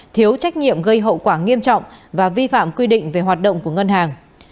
thiếu trách nhiệm gây hậu quả nghiêm trọng và vi phạm quy định về hoạt động của ngân hàng